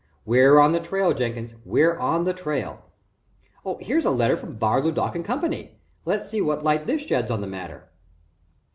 We're on the trail, Jenkins we're on the trail. Here's a letter from Bar, LeDuc & Co. let's see what light that sheds on the matter."